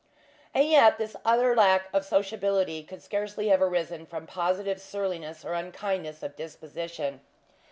And yet, this utter lack of sociability could scarcely have arisen from positive surliness or unkindness of disposition.